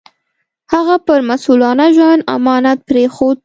هغه پر مسوولانه ژوند امانت پرېښود.